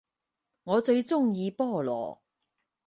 我最鍾意菠蘿